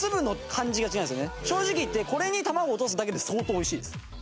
正直言ってこれに卵を落とすだけで相当美味しいです。